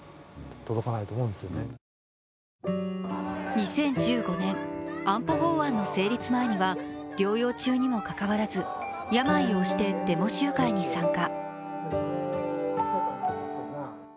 ２０１５年、安保法案の成立前には療養中にもかかわらず、病を押してデモ集会に参加。